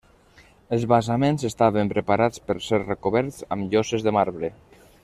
Els basaments estaven preparats per ser recoberts amb lloses de marbre.